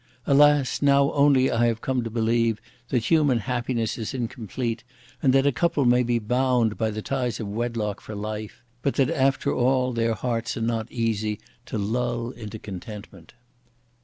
Alas! now only have I come to believe that human happiness is incomplete; and that a couple may be bound by the ties of wedlock for life, but that after all their hearts are not easy to lull into contentment.